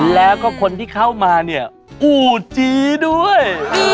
แล้วก็คนที่เข้ามาเนี่ยอู่จีด้วย